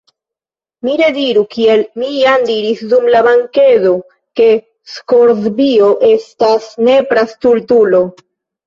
Mi rediru, kiel mi jam diris dum la bankedo, ke Skorzbio estas nepra stultulo.